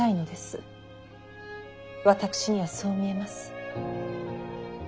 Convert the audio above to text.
私にはそう見えます。